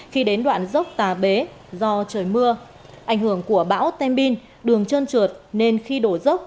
khi đến đoạn dốc tà bế do trời mưa ảnh hưởng của bão tem bin đường trơn trượt nên khi đổ dốc